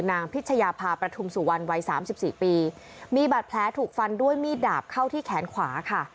พิชยาภาประทุมสุวรรณวัยสามสิบสี่ปีมีบาดแผลถูกฟันด้วยมีดดาบเข้าที่แขนขวาค่ะ